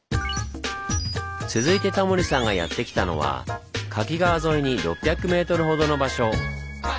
続いてタモリさんがやって来たのは柿川沿いに６００ｍほどの場所。